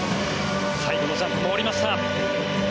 最後のジャンプも降りました。